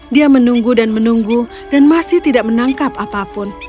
dia menunggu dan menunggu dan masih tidak menangkap apapun